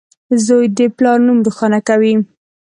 • زوی د پلار نوم روښانه کوي.